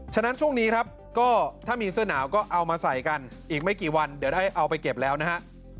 ฉะนั้นช่วงนี้ครับก็ถ้ามีเสื้อหนาวก็เอามาใส่กันอีกไม่กี่วันเดี๋ยวได้เอาไปเก็บแล้วนะฮะ